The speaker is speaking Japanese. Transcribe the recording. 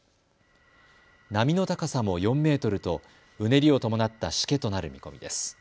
波の高さも４メートルとうねりを伴ったしけとなる見込みです。